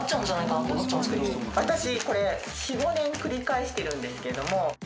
私これ４５年繰り返してるんですけども。